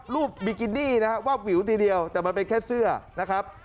บิกินี่นะครับวาบวิวทีเดียวแต่มันเป็นแค่เสื้อนะครับ